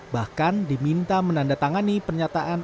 bahkan diminta menandatangani pernyataan